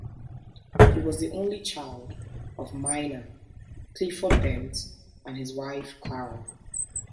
He was the only child of miner Clifford Bent and his wife Clara.